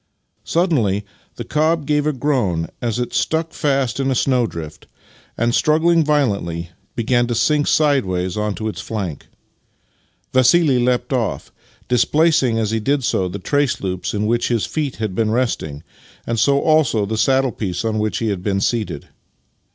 Suddenly the cob gave a groan as it stuck fast in a snowdrift, and, struggling violently, began to sink sideways onto its flank. Vassili leapt off, displacing as he did so the trace loops in which his feet had been resting, and so also the saddle piece on which he had been seated.